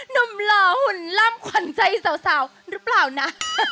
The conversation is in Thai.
หล่อหุ่นล่ำขวัญใจสาวหรือเปล่านะ